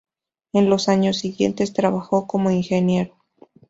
En los años siguientes trabajó como ingeniero.